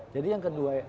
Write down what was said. jadi yang kedua ya